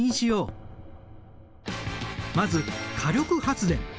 まず火力発電。